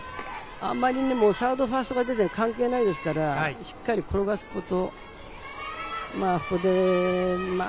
あんまりサード、ファーストが出ても関係ないですから、しっかり転がすこと。